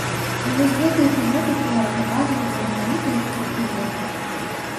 І вось гэты эпізод у творы паказваецца менавіта як эпізод.